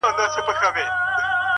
• پر مزلونو د کرې ورځي پښېمان سو ,